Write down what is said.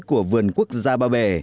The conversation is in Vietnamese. của vườn quốc gia ba bể